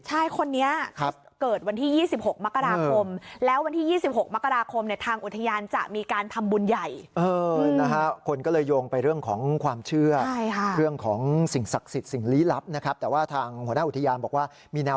ใช่คนนี้เกิดวันที่๒๖มกราคม